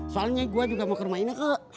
soalnya gua juga mau ke rumah ini ke